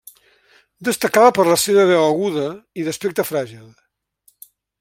Destacava per la seva veu aguda i d'aspecte fràgil.